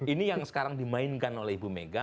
ini yang sekarang dimainkan oleh ibu mega